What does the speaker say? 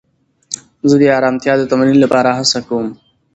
زه د ارامتیا د تمرین لپاره هڅه کوم.